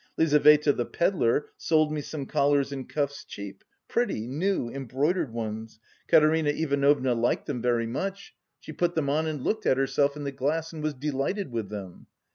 Lizaveta, the pedlar, sold me some collars and cuffs cheap, pretty, new, embroidered ones. Katerina Ivanovna liked them very much; she put them on and looked at herself in the glass and was delighted with them.